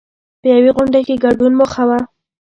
په یوې غونډې کې ګډون موخه وه.